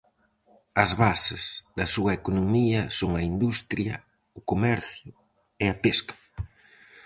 As bases da súa economía son a industria, o comercio e a pesca.